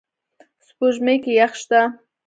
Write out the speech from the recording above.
سپوږمۍ کې یخ شته